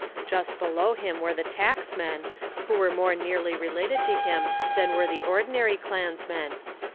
Just below him were the tacksmen, who were more nearly related to him than were the ordinary clansmen.